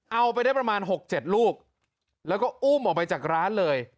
เอาไปได้ประมาณ๖๗ลูกแล้วก็อุ้มออกไปจากร้านเลย